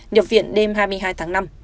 nhập viện đêm hai mươi hai tháng năm